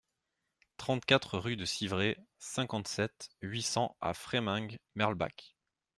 trente-quatre rue de Civray, cinquante-sept, huit cents à Freyming-Merlebach